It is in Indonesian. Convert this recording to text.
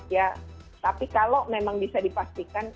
ya tapi kalau memang bisa dipastikan